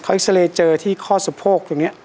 เอ็กซาเรย์เจอที่ข้อสะโพกตรงนี้